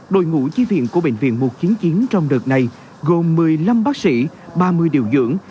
đội ngũ chi viện của bệnh viện một trăm chín mươi trong đợt này gồm một mươi năm bác sĩ ba mươi điều dưỡng